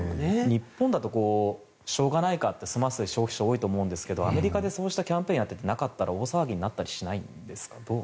日本だとしょうがないかと済ます消費者が多いと思うんですけどアメリカでキャンペーンをやっていてなかったら大騒ぎになったりしないんですか。